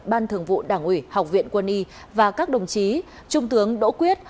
ban thường vụ đảng ủy học viện quân y và các đồng chí trung tướng đỗ quyết